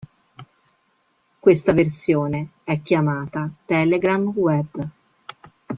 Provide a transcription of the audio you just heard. Questa versione è chiamata Telegram Web.